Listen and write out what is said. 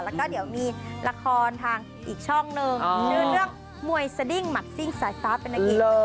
แล้วก็เดี๋ยวมีละครทางอีกช่องหนึ่งคือเรื่องมวยสดิ้งหมัดซิ่งสายตาเป็นนางเอก